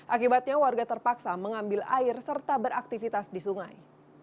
akibatnya warga terpaksa mengambil air serta beraktivitas di sungai